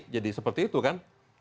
jadi seperti itu kan